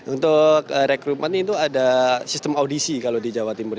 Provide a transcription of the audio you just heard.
untuk rekrutmen itu ada sistem audisi kalau di jawa timur